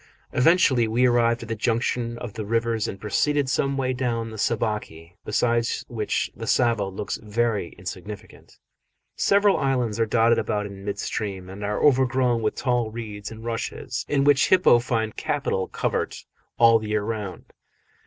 Eventually we arrived at the junction of the rivers and proceeded some way down the Sabaki, beside which the Tsavo looks very insignificant. Several islands are dotted about in mid stream and are overgrown with tall reeds and rushes, in which hippo find capital covert all the year round.